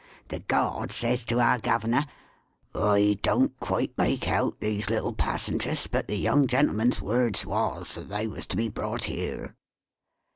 The Guard says to our Governor, "I don't quite make out these little passengers, but the young gentleman's words was, that they was to be brought here."